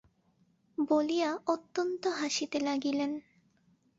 বলিয়া অত্যন্ত হাসিতে লাগিলেন।